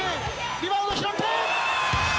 リバウンド拾って。